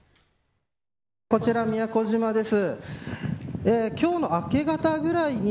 こちら、宮古島です。